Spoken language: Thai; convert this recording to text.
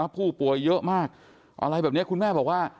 ผู้ป่วยเยอะมากอะไรแบบนี้คุณแม่บอกว่า